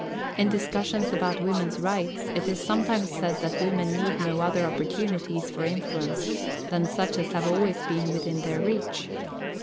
In discussions about women's rights it is sometimes said that women need no other opportunities for influence than such as have always been within their reach.